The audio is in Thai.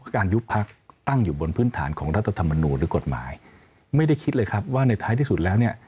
การยุบพักตั้งอยู่บนพื้นฐานของรัฐธรรมนูลหรือกฎหมายไม่ได้คิดเลยครับว่าในท้ายที่สุดแล้วเนี่ย